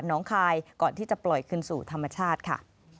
น้องคายก่อนที่จะปล่อยคืนสู่ธรรมชาติค่ะ